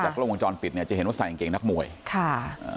จากโลกวงจรปิดเนี่ยจะเห็นว่าใส่อังเกงนักมวยค่ะเออ